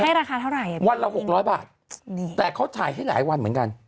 ราคาเท่าไหร่วันละหกร้อยบาทแต่เขาจ่ายให้หลายวันเหมือนกัน